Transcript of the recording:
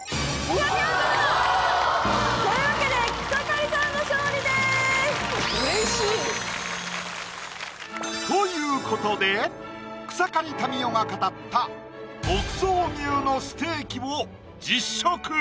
うれしい！ということで草刈民代が語った牧草牛のステーキを実食！